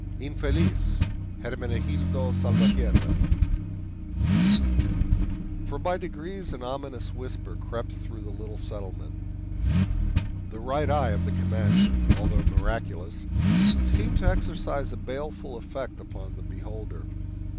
Infeliz Hermenegildo Salvatierra! For by degrees an ominous whisper crept though the little settlement. The Right Eye of the Commander, although miraculous, seemed to exercise a baleful effect upon the beholder.